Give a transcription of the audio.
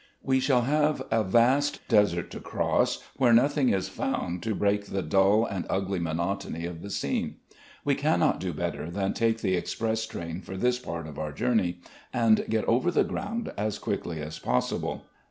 We shall have a vast desert to cross, where nothing is found to break the dull and ugly monotony of the scene. We cannot do better than take the express train for this part of our journey, and get over the ground as quickly as possible.